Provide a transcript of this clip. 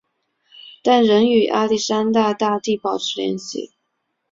但仍与亚历山大大帝保持联系。